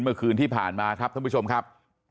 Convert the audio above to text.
เมื่อคืนที่ผ่านมาครับท่านผู้ชมครับ